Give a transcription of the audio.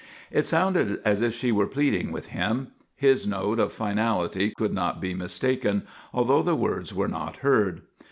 It sounded as if she were pleading with him; his note of finality could not be mistaken, although the words were not heard.